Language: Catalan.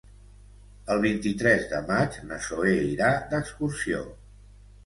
El vint-i-tres de maig na Zoè irà d'excursió.